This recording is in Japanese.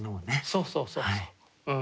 そうそうそうそう。